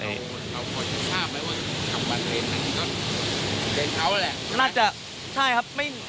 น่าจะใช่ครับ